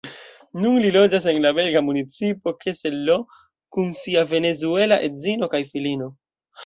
Nun li loĝas en la belga municipo Kessel-Lo kun sia venezuela edzino kaj filino.